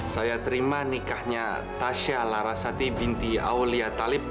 saya terima nikahnya tasya larasati binti aulia talib